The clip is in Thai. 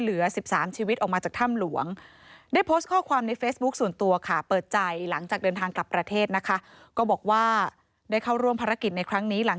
เพราะฉะนั้นเราได้ทำการทำให้พันธ์เป็นการทำงานมาก